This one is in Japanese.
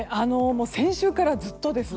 先週からずっとです。